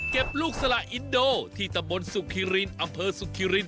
ลูกสละอินโดที่ตำบลสุขิรินอำเภอสุขิริน